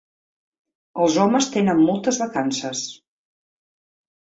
Els homes tenen moltes vacances.